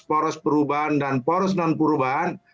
poros perubahan dan poros non perubahan